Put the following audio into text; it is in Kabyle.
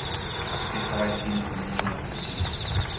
Sṭixxer akkin fell-i afus-ik.